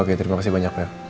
oke terima kasih banyak ya